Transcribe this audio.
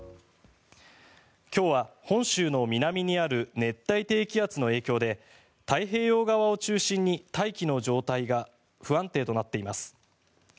今日は本州の南にある熱帯低気圧の影響で太平洋側を中心に大気の状態が不安定となっています。